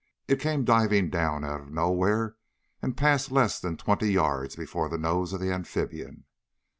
It came diving down out of nowhere and passed less than twenty yards before the nose of the amphibian.